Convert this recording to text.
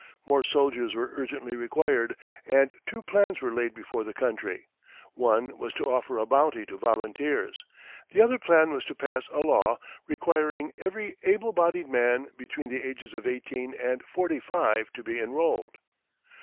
More soldiers were urgently required, and two plans were laid before the country. One was to offer a bounty to volunteers; the other plan was to pass a law requiring every able bodied man between the ages of eighteen and forty five to be enrolled.